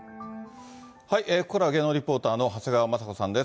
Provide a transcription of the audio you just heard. ここからは芸能リポーターの長谷川まさ子さんです。